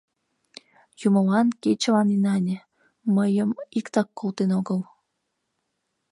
— Юмылан, кечылан инане: мыйым иктат колтен огыл.